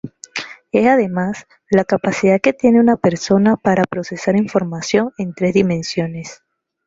Es además, la capacidad que tiene una persona para procesar información en tres dimensiones.